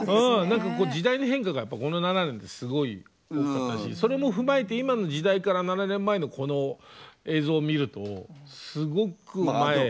何か時代の変化がこの７年ってすごい多かったしそれも踏まえて今の時代から７年前のこの映像を見るとすごく前。